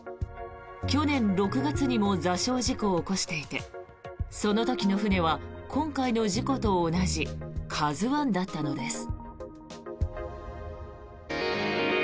去年６月にも座礁事故を起こしていてその時の船は今回の事故と同じ「ＫＡＺＵ１」だったのです。